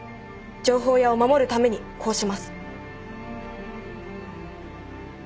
情報屋を守るためにこうします。